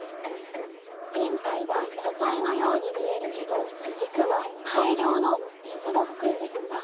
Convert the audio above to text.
人体は固体のように見えるけど実は大量の水を含んでるんだ。